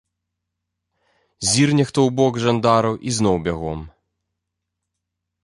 Зірне хто ў бок жандараў і зноў бягом.